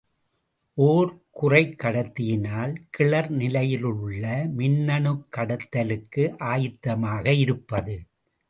ஓர் குறைக்கடத்தியினால் கிளர் நிலையிலுள்ள மின்னணுக் கடத்தலுக்கு ஆயத்தமாக இருப்பது.